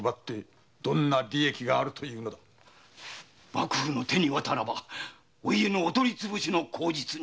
幕府の手に渡ればお家取りつぶしの口実に！